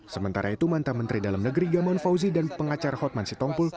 sementara itu manta menteri dalam negeri gamon fauzi dan pengacara hotman sitongpul